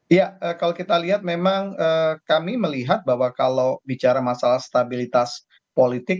iya kalau kita lihat memang kami melihat bahwa kalau bicara masalah stabilitas politik